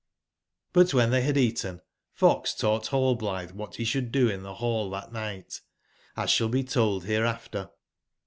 But when they had eaten, fox taught Hallblithe what he should do in the hall that night, as shall be told hereafter.